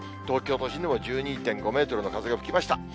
東京都心でも１２．５メートルの風が吹きました。